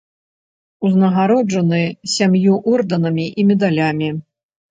Узнагароджаны сям'ю ордэнамі і медалямі.